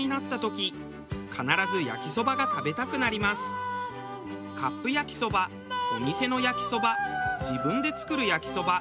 私はカップ焼きそばお店の焼きそば自分で作る焼きそば。